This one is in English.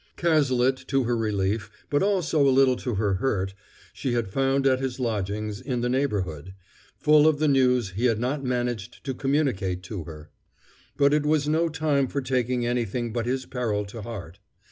Cazalet, to her relief, but also a little to her hurt, she had found at his lodgings in the neighborhood, full of the news he had not managed to communicate to her. But it was no time for taking anything but his peril to heart.